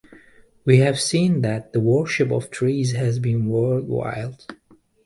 We have seen that the worship of trees has been worldwide.